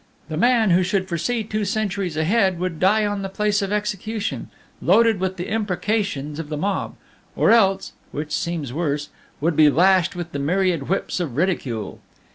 The man who should foresee two centuries ahead would die on the place of execution, loaded with the imprecations of the mob, or else which seems worse would be lashed with the myriad whips of ridicule.